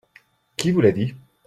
Qui vous l'a dit ?